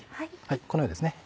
このようにですね。